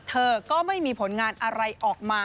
เธอก็ไม่มีผลงานอะไรออกมา